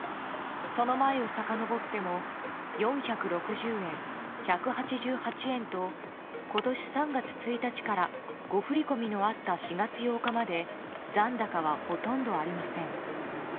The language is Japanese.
その前をさかのぼっても４６０円、１８８円と今年３月１日から誤振り込みのあった４月８日まで残高はほとんどありません。